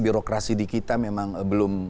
birokrasi di kita memang belum